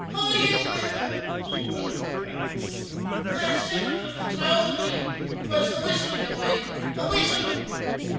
"Holy Mither!" stuttered McCann miserably. "That settles ut! Ut's Owsley! 'Twas the whistle, d'ye moind the whistle!"